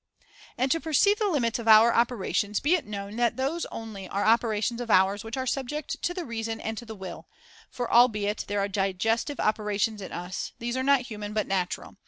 And to perceive the limits of our operations, be it known that those only are operations of ours which are subject to the reason and to the will ; for albeit there are digestive operations in us, these are not human, but natural.